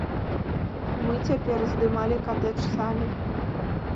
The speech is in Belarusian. Мы цяпер здымалі катэдж самі.